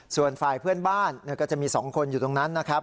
ส่วนฝ่ายเพื่อนบ้านก็จะมี๒คนอยู่ตรงนั้นนะครับ